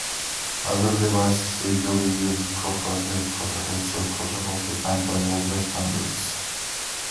Other devices usually use proprietary protocols or protocols defined by older standards.